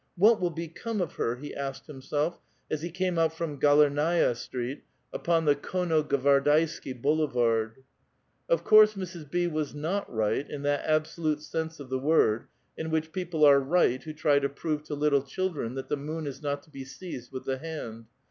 What will be come of her?" he asked himself as he came out from Galeruaia Street u|>on the Konno Gvardeisky Boulevard. Of course Mrs. B. was not right in that absolute sense of the woixl in which people are right who try to prove to little children that the moon is not to be seized with the hand.